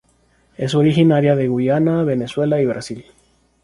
Es originaria de Guyana, Venezuela y Brasil.